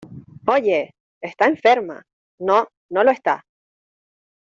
¡ Oye! ¡ está enferma !¡ no, no lo está !